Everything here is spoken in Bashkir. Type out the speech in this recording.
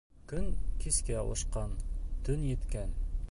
Көн кискә ауышҡан, төн еткән.